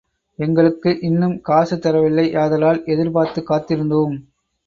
எங்களுக்கு இன்னும் காசு தரவில்லை யாதலால் எதிர்பார்த்துக் காத்திருந்தோம்.